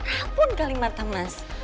rabun kali mata mas